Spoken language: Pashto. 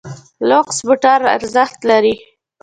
لوکس موټر ارزښت لري.